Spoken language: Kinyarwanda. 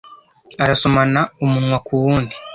arasomana umunwa ku wundi.